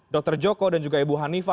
dr joko dan juga ibu hanifah